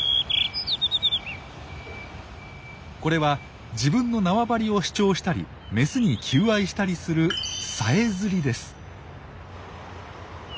これは自分の縄張りを主張したりメスに求愛したりする「さえずり」です。